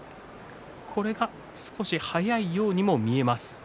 これが少し早いようにも見えます。